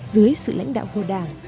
dưới sự lãnh đạo của đảng